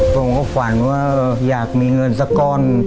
ผมก็ฝันว่าอยากมีเงินสักก้อน